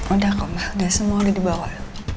udah kok ma udah semua udah di bawa